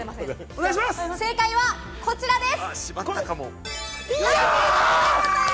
正解はこちらです。